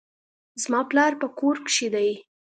زما پلار په کور کښي دئ.